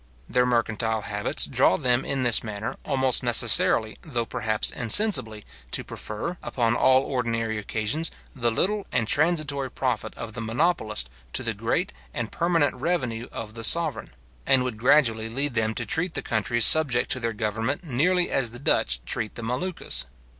Their mercantile habits draw them in this manner, almost necessarily, though perhaps insensibly, to prefer, upon all ordinary occasions, the little and transitory profit of the monopolist to the great and permanent revenue of the sovereign; and would gradually lead them to treat the countries subject to their government nearly as the Dutch treat the Moluccas.